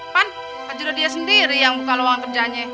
kan haji rodia sendiri yang buka luangan kerjanya